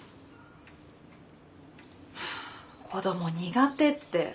子供苦手って。